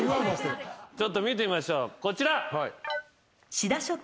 ちょっと見てみましょうこちら。